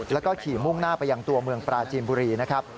แล้วก็ขี่มุ่งหน้าไปยังตัวเมืองปราจีนบุรีนะครับ